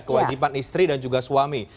kewajiban istri dan juga suami